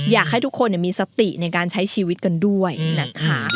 อยากให้ทุกคนมีสติในการใช้ชีวิตกันด้วยนะคะ